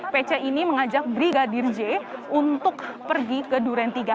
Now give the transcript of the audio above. pc ini mengajak brigadir j untuk pergi ke duren tiga